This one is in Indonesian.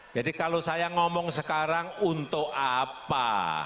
jadi kalau saya ngomong sekarang untuk apa